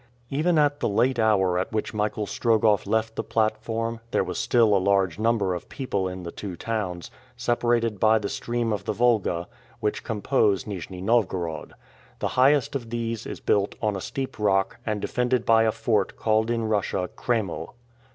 Even at the late hour at which Michael Strogoff left the platform, there was still a large number of people in the two towns, separated by the stream of the Volga, which compose Nijni Novgorod. The highest of these is built on a steep rock, and defended by a fort called in Russia "kreml."